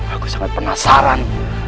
aku sangat penasaran